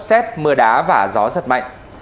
xét mưa đá và gió giật mạnh